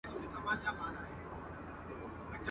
چي له کبله یې لوی لوی جابران